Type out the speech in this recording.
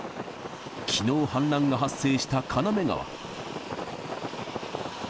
きのう氾濫が発生した金目川。